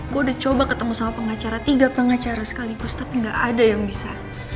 gue udah coba ketemu sama pengacara tiga pengacara sekaligus tapi gak ada yang bisa